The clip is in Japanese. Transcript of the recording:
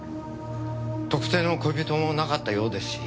特定の恋人もなかったようですし。